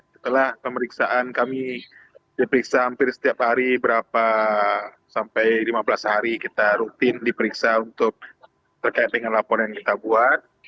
setelah pemeriksaan kami diperiksa hampir setiap hari berapa sampai lima belas hari kita rutin diperiksa untuk terkait dengan laporan yang kita buat